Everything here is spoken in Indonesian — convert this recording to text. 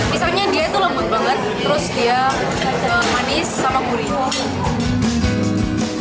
pisangnya dia itu lembut banget terus dia ada manis sama gurihnya